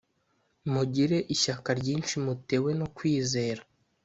Mugire ishyaka ryinshi mutewe no kwizera